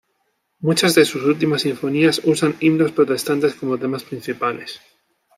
Muchas de sus últimas sinfonías usan himnos protestantes como temas principales.